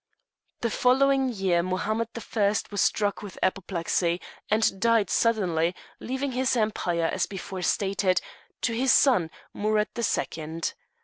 The following year Mohammed the First was struck with apoplexy, and died suddenly, leaving his empire, as before stated, to his son, Amurath the Second.